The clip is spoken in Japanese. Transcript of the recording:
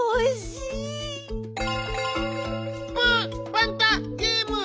パンタゲーム！